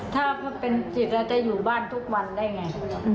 ถ้าเป็นจิตเราจะอยู่บ้านทุกวันได้ไง